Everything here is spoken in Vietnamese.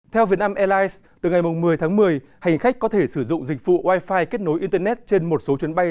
theo vietnam airlines từ ngày một mươi tháng một mươi hành khách có thể sử dụng dịch vụ wi fi kết nối internet trên một số chuyến bay